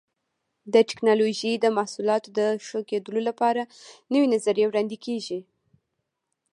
د ټېکنالوجۍ د محصولاتو د ښه کېدلو لپاره نوې نظریې وړاندې کېږي.